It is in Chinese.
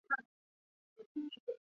韩匡嗣第六子。